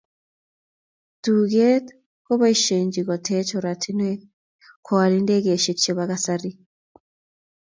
Tugeet koboisyei koteech oratinweek, koal indegeisyek chebo kasari